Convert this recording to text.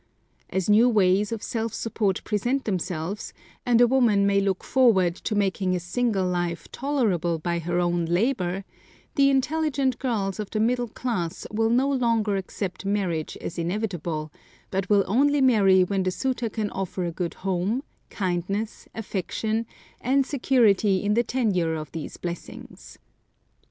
As new ways of self support present themselves, and a woman may look forward to making a single life tolerable by her own labor, the intelligent girls of the middle class will no longer accept marriage as inevitable, but will only marry when the suitor can offer a good home, kindness, affection, and security in the tenure of these blessings.